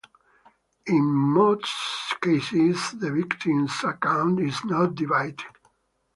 In most cases, the victim's account is not debited.